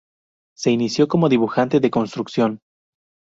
Se inició como dibujante de construcción.